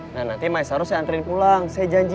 nah nanti maisaro saya anterin pulang saya janji